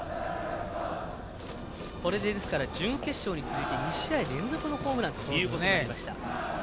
これで、準決勝に続いて２試合連続のホームランということになりました。